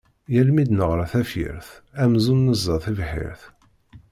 Yal mi d-neɣra tafyirt, amzun neẓẓa tibḥirt.